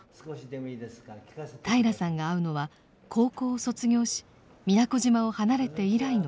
平良さんが会うのは高校を卒業し宮古島を離れて以来のことでした。